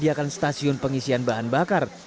tidak hanya dikenakan stasiun pengisian bahan bakar